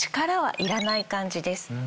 力はいらない感じです。